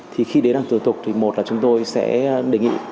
thì khi đến đoàn tù tục thì một là chúng tôi sẽ đề nghị